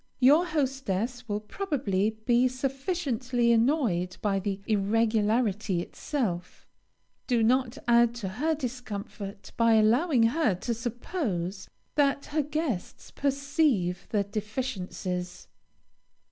Your hostess will probably be sufficiently annoyed by the irregularity itself; do not add to her discomfort by allowing her to suppose that her guests perceive the deficiencies.